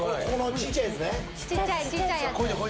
ちっちゃいやつ。